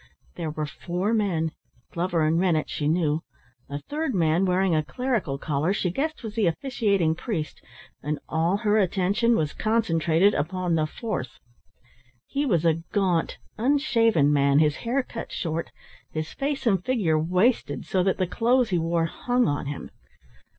There were four men. Glover and Rennett she knew. A third man wearing a clerical collar she guessed was the officiating priest, and all her attention was concentrated upon the fourth. He was a gaunt, unshaven man, his hair cut short, his face and figure wasted, so that the clothes he wore hung on him.